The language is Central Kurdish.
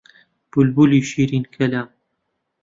بولبولی شیرین کەلام